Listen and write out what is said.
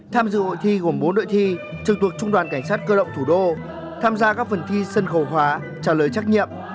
tham dự hội thi gồm bốn đội thi trực thuộc trung đoàn cảnh sát cơ động thủ đô tham gia các phần thi sân khấu hóa trả lời trách nhiệm